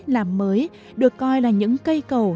làm mới được coi là những cây cầu